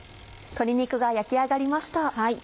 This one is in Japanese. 鶏肉が焼き上がりました。